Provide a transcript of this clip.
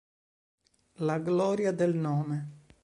La gloria del Nome